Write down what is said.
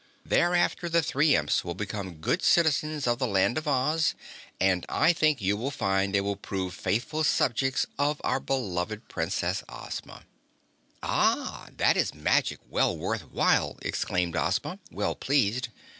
Thereafter the three Imps will become good citizens of the Land of Oz and I think you will find they will prove faithful subjects of our beloved Princess Ozma." "Ah, that is magic well worthwhile," exclaimed Ozma, well pleased.